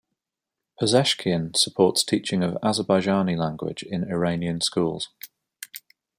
Pezeshkian supports teaching of Azerbaijani language in Iranian schools.